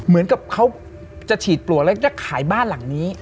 เหมือนกับเขาจะฉีดปลวกแล้วจะขายบ้านหลังนี้